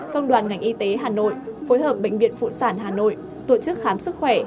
công đoàn ngành y tế hà nội phối hợp bệnh viện phụ sản hà nội tổ chức khám sức khỏe